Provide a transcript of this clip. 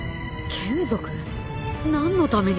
何のために？